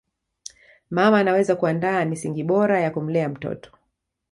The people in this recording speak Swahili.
mama anaweza kuandaa misingi bora ya kumlea mtoto